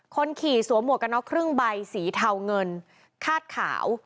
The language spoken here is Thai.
คนขี่สวมหมวกกันน็อกครึ่งใบสีเทาเงินคาดขาว